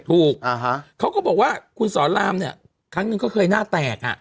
ถูกเขาก็บอกว่าคุณสอนรามครั้งหนึ่งเขาเคยหน้าแตก